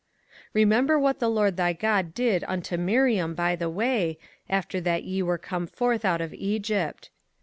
05:024:009 Remember what the LORD thy God did unto Miriam by the way, after that ye were come forth out of Egypt.